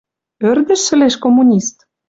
Ӧрдӹш шӹлеш коммунист?